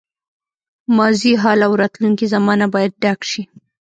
ماضي، حال او راتلونکې زمانه باید ډک شي.